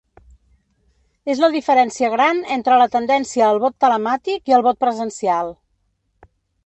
És la diferència gran entre la tendència al vot telemàtic i al vot presencial.